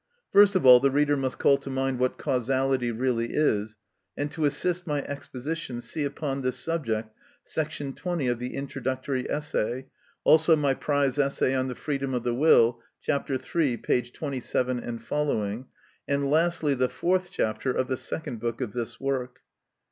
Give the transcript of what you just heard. First of all, the reader must call to mind what causality really is, and to assist my exposition, see upon this subject § 20 of the introductory essay, also my prize essay on the freedom of the will, chap. iii. p. 27 seq., and lastly the fourth chapter of the second book of this work.